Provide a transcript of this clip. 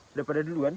sudah pada duluan